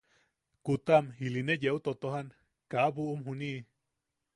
Kutam ili ne yeu totojan kaa bubuʼum juniʼi.